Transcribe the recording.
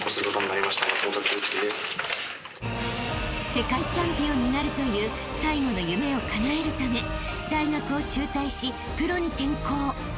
［世界チャンピオンになるという最後の夢をかなえるため大学を中退しプロに転向］